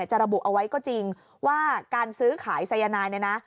จะระบุเอาไว้ก็จริงว่าการซื้อขายไซยันไน